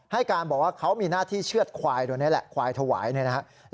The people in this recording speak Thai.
ให้การบอกว่าเขามีหน้าที่เชือดควายควายถวายนะครับ